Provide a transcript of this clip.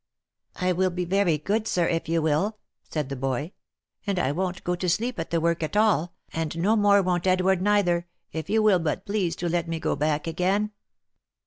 " I will be very good, sir, if you will," said the boy, " and I won't go to sleep at the work at all, and no more won't Edward neither, if you will but please to let me go back again."